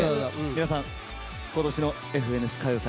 皆さん今年の「ＦＮＳ歌謡祭」